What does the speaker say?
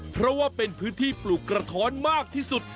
เพราะว่าเป็นพื้นที่ปลูกกระท้อนมากที่สุด